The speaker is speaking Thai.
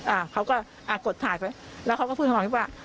อ่าเขาก็อ่ากดถ่ายไปแล้วเขาก็พูดคำนี้ว่า